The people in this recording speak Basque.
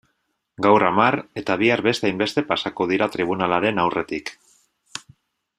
Gaur hamar eta bihar beste hainbeste pasako dira tribunalaren aurretik.